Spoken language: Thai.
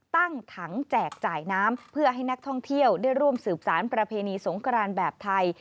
ตั้งถังแจกจ่ายน้ำเพื่อให้นักท่องเที่ยวได้ร่วมสืบสารประเพณีสงกรานแบบไทย